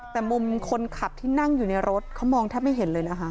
แต่มุมคนขับที่นั่งอยู่ในรถเขามองแทบไม่เห็นเลยนะคะ